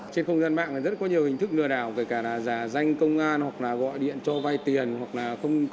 trên không gian mạng rất có nhiều hình thức lừa đảo kể cả là giả danh công an gọi điện cho vay tiền